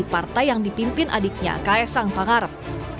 partai yang dipimpin adiknya ks sang pangarap